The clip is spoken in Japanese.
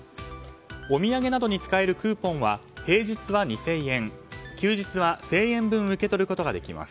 お土産などに使われるクーポンは平日は２０００円休日は１０００円分受け取ることができます。